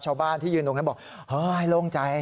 ชาวบ้านที่ยืนตรงนั้นบอกเฮ้ยโล่งใจ